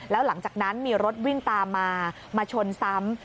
แล้วหลังจากนั้นมีรถวิ่งตามมามาชนซ้ำ